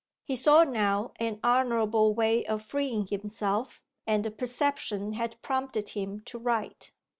He saw now an honourable way of freeing himself, and the perception had prompted him to write.